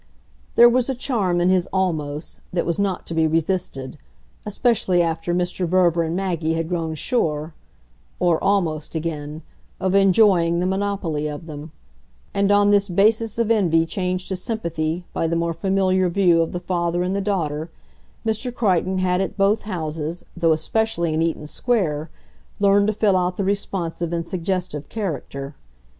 There was a charm in his "almosts" that was not to be resisted, especially after Mr. Verver and Maggie had grown sure or almost, again of enjoying the monopoly of them; and on this basis of envy changed to sympathy by the more familiar view of the father and the daughter, Mr. Crichton had at both houses, though especially in Eaton Square, learned to fill out the responsive and suggestive character.